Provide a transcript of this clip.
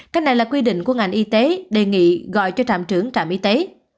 cách này là quy định của ngành y tế đề nghị gọi cho trạm trưởng trạm y tế